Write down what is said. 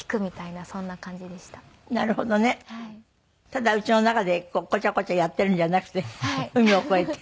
ただ家の中でコチャコチャやってるんじゃなくて海を越えて。